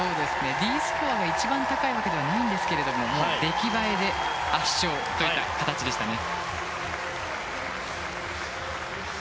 Ｄスコアが一番高いわけではないんですが出来栄えで圧勝といった形でしたね。